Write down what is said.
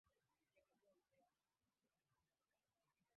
Hivyo itakuwa vigumu kwa virusi hivyo kuwa bado hai